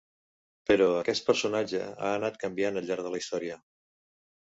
Però aquest personatge ha anat canviant al llarg de la història.